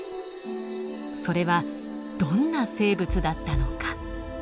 それはどんな生物だったのか。